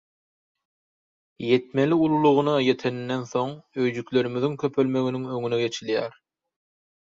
Ýetmeli ululygyna ýeteninden soň öýjüklerimiziň köpelmeginiň öňüne geçilýär.